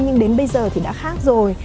nhưng đến bây giờ thì đã khác rồi